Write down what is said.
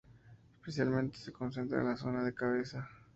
Especialmente se concentra en la zona de la cabeza.